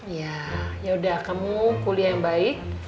ya yaudah kamu kuliah yang baik